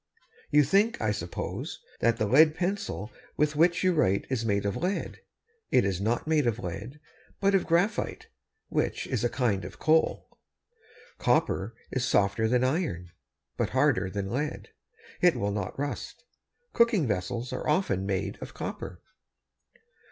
You think, I suppose, that the lead pencil with which you write is made of lead. It is not made of lead, but of graphite, which is a kind of coal. Copper is softer than iron, but harder than lead. It will not rust. Cooking vessels are often made of copper.